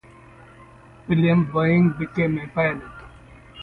William Boeing became a pilot.